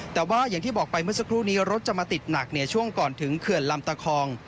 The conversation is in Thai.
แต่ว่าอย่างที่บอกไปเมื่อสักครู่นี้รถจะมาติดหนักช่วงก่อนถึงเขื่อนลำตะคอง